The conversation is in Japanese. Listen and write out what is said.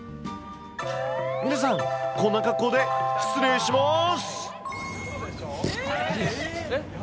皆さん、こんな格好で失礼します。